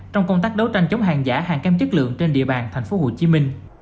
trong công tác đấu tranh chống hàng giả hàng kém chất lượng trên địa bàn tp hcm